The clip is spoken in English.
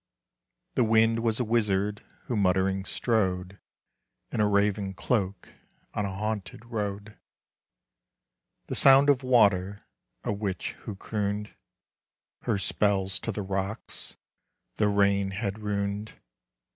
The Wind was a wizard who muttering strode In a raven cloak on a haunted road. The Sound of Water, a witch who crooned Her spells to the rocks the rain had runed.